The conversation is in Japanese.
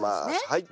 はい。